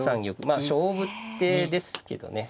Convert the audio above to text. まあ勝負手ですけどね。